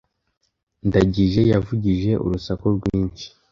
Ndagije yavugije urusaku rwinshi.